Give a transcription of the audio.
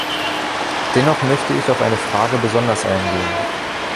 Dennoch möchte ich auf eine Frage besonders eingehen.